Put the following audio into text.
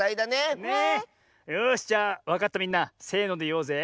よしじゃあわかったみんなせのでいおうぜ。